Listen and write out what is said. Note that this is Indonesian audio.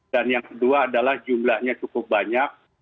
dan yang kedua adalah jumlahnya cukup banyak